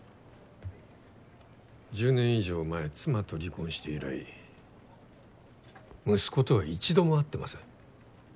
１０年以上前妻と離婚して以来息子とは一度も会ってません。